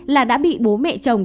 là đã bị bố mẹ chồng